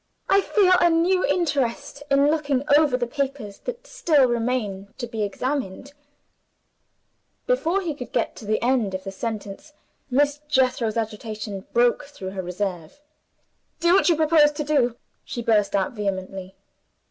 I feel a new interest in looking over the papers that still remain to be examined " Before he could get to the end of the sentence Miss Jethro's agitation broke through her reserve. "Do what you proposed to do!" she burst out vehemently.